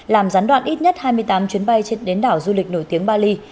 làm gián đoạn ít nhất hai mươi tám chuyến bay trên đến đảo du lịch nổi tiếng bali